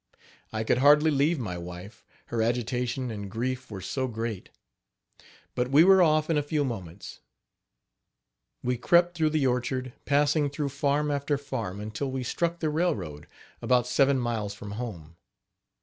I could hardly leave my wife, her agitation and grief were so great. But we were off in a few moments. We crept through the orchard, passing through farm after farm until we struck the railroad, about seven miles from home.